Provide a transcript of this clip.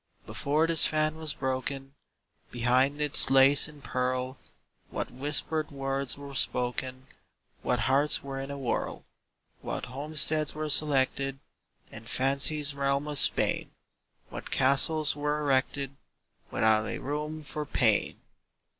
Before this fan was broken, Behind its lace and pearl What whispered words were spoken What hearts were in a whirl! What homesteads were selected In Fancy's realm of Spain! What castles were erected, Without a room for pain!